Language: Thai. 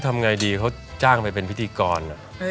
ทำไงดีเขาจ้างไปเป็นพิธีกร